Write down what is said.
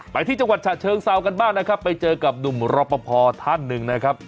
ไปที่จังหวัดฉะเชิงเซากันบ้างนะครับไปเจอกับหนุ่มรอปภท่านหนึ่งนะครับ